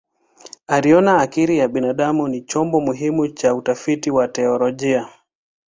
Aliona akili ya binadamu ni chombo muhimu cha utafiti wa teolojia.